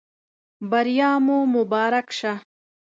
بریا مو مبارک شه.